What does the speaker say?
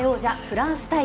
フランス対